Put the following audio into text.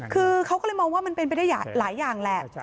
คือเขาก็เลยมองว่ามันเป็นไปได้หลายอย่างแหละ